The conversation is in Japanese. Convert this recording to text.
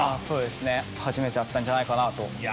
そうですね初めてだったんじゃないかなと。